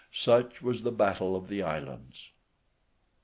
Such was the battle of the islands.